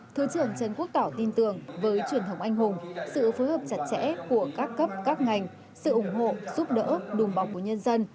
thứ trưởng trần quốc tỏ tin tưởng với truyền thống anh hùng sự phối hợp chặt chẽ của các cấp các ngành sự ủng hộ giúp đỡ đùm bọc của nhân dân